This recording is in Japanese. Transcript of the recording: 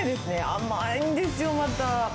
甘いんですよ、また。